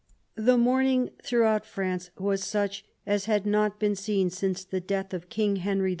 The mourning throughout France was such as had not been seen since the death of King Henry IV.